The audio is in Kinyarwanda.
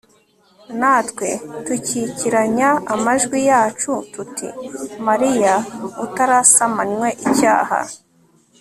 natwe tukikiranya amajwi yacu tuti mariya utarasamanywe icyaha